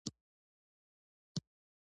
تر ماخستنه پورې دوستان راروان وو.